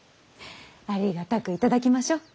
ありがたく頂きましょう。